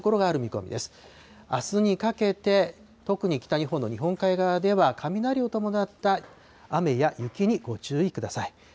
あすにかけて、特に、北日本の日本海側では雷を伴った雨や雪にご注意ください。